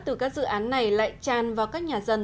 từ các dự án này lại tràn vào các nhà dân